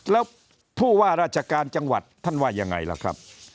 แล้วผู้ว่าราชการจังหวัดท่านว่ายังไงล่ะครับ